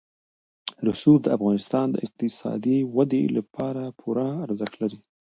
رسوب د افغانستان د اقتصادي ودې لپاره پوره ارزښت لري.